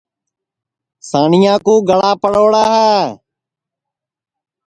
سانیا کُو گڑا پڑوڑا ہے